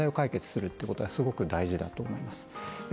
課題を解決するってことはすごく大事だと思います。